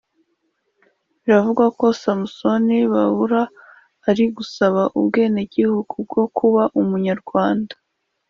Biravugwa ko Samson Babua ari gusaba ubwenegihugu bwo kuba umunyarwanda